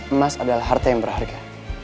emas adalah harta yang berharga